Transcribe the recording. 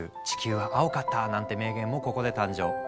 「地球は青かった」なんて名言もここで誕生。